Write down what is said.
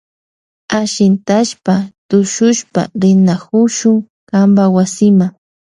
Ashintashpa tushushpa rinakushun kanpa wasima.